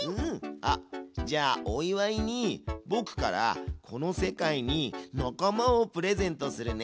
あっじゃあお祝いにぼくからこの世界に仲間をプレゼントするね！